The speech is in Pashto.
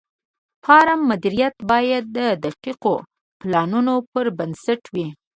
د فارم مدیریت باید د دقیقو پلانونو پر بنسټ وي.